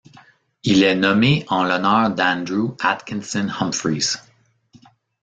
Il est nommé en l'honneur d'Andrew Atkinson Humphreys.